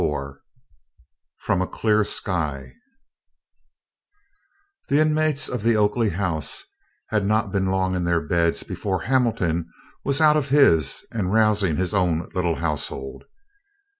IV FROM A CLEAR SKY The inmates of the Oakley house had not been long in their beds before Hamilton was out of his and rousing his own little household.